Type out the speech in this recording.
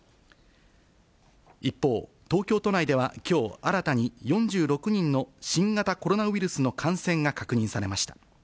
一方、東京都内ではきょう新たに４６人の新型コロナウイルスの感染が確認されました。